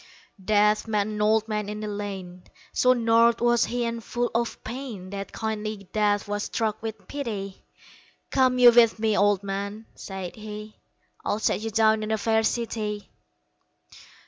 Death met an old man in a lane; So gnarled was he and full of pain That kindly Death was struck with pity "Come you with me, Old man," said he, "I'll set you down in a fair city."